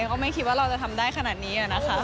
ก็ไม่คิดว่าเราจะทำได้ขนาดนี้นะคะ